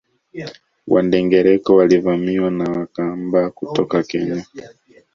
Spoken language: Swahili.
Wandengereko walivamiwa na Wakamba kutoka Kenya